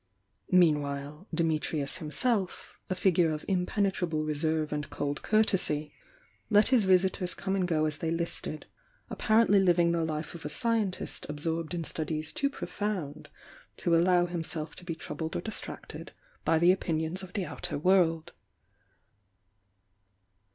Meanwhile, Dimitrius himself, a figure of impene trable reserve and cold courtesy, let his visitors come and go as they listed, apparently '.ing the life of a scientist absorbed in stuJies too profound to allow himself to be troubled or distracted by the opinions of the outer world.